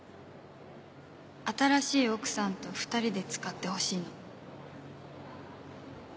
新しい奥さんと２人で使ってほしいの。